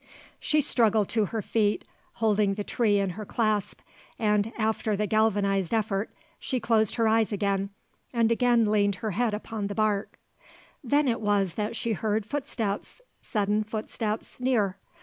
She struggled to her feet, holding the tree in her clasp, and, after the galvanised effort, she closed her eyes again, and again leaned her head upon the bark. Then it was that she heard footsteps, sudden footsteps, near.